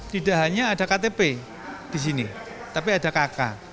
tidak hanya ada ktp di sini tapi ada kk